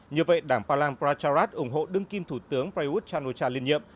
như vậy đảng palang pracharat ủng hộ đương kim thủ tướng prayuth chan o cha liên nhiệm